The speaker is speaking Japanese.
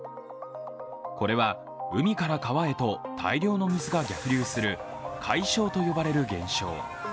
これは、海から川へと大量の水が逆流するかいしょうと呼ばれる現象。